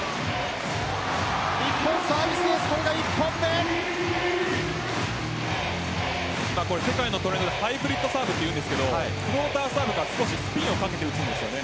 日本、サービスエース世界のトレンドでハイブリッドサーブと言いますがフローターサーブから少しスピンをかけて落ちます。